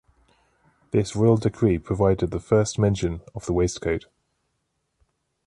This royal decree provided the first mention of the waistcoat.